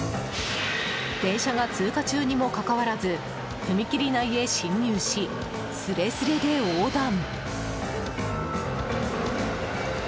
電車が通過中にもかかわらず踏切内へ進入し、すれすれで横断。